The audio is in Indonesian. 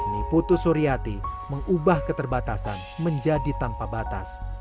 niputu suryati mengubah keterbatasan menjadi tanpa batas